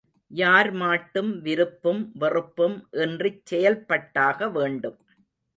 யார்மாட்டும் விருப்பும் வெறுப்பும் இன்றிச் செயல்பட்டாகவேண்டும்.